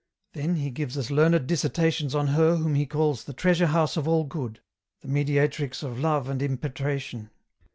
Then he gives us learned disserta tions on Her whom he calls the Treasure house of all good, the Mediatrix of love and impetration.